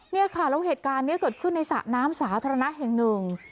เนี่ยค่ะแล้วเหตุการณ์นี้เกิดขึ้นในสระน้ำสาธารณะแห่งหนึ่ง